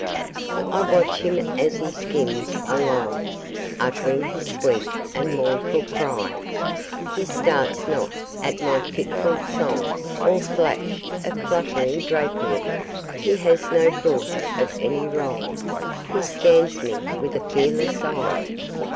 I watch him as he skims along, Uttering his sweet and mournful cry; He starts not at my fitful song, Or flash of fluttering drapery; He has no thought of any wrong, He scans me with a fearless eye.